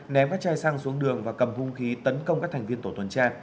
ném các chai xăng xuống đường và cầm hung khí tấn công các thành viên tổ tuần tra